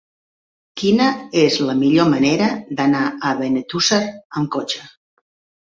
Quina és la millor manera d'anar a Benetússer amb cotxe?